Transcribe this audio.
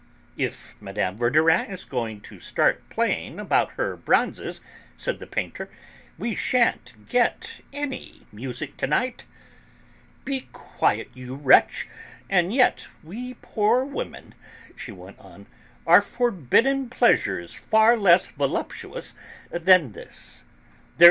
"If Mme. Verdurin is going to start playing about with her bronzes," said the painter, "we shan't get any music to night." "Be quiet, you wretch! And yet we poor women," she went on, "are forbidden pleasures far less voluptuous than this.